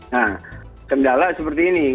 nah kendala seperti ini